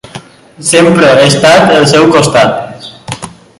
Sempre he estat al seu costat.